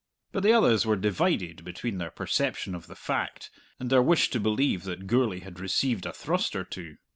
But the others were divided between their perception of the fact and their wish to believe that Gourlay had received a thrust or two.